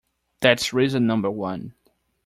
That's reason number one.